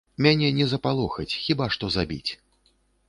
Мяне не запалохаць, хіба што забіць.